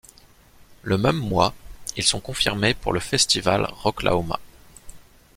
Le même mois, ils sont confirmés pour le festival Rocklahoma.